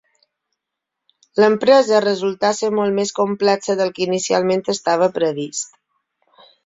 L'empresa resultà ser molt més complexa del que inicialment estava previst.